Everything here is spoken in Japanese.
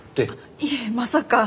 いえまさか。